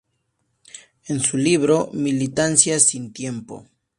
En su libro, "Militancia sin tiempo.